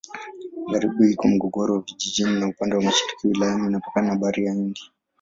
Magharibi iko Morogoro Vijijini na upande wa mashariki wilaya inapakana na Bahari ya Hindi.